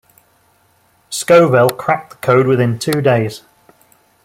Scovell cracked the code within two days.